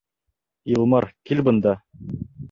Илмар, кил бында.